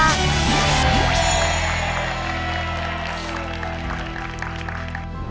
ฮาวะละพร้อม